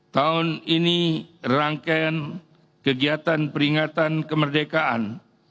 tahun ini rangkaian kegiatan peringatan kemerdekaan